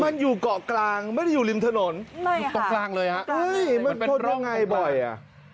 มันอยู่เกาะกลางไม่ได้อยู่ริมถนนไม่ค่ะอยู่เกาะกลางเลยฮะมันเป็นตรงไหนบ่อยอ่ะ